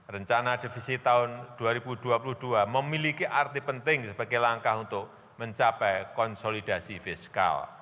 rencana defisit tahun dua ribu dua puluh dua memiliki arti penting sebagai langkah untuk mencapai konsolidasi fiskal